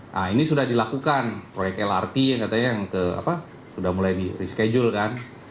nah ini sudah dilakukan proyek lrt yang katanya yang sudah mulai di reschedule kan